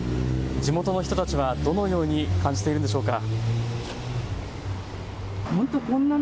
地元の人たちはどのように感じているんでしょうか。